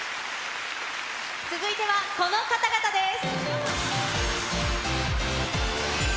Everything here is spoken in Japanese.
続いてはこの方々です。